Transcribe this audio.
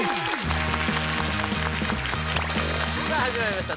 さあ始まりました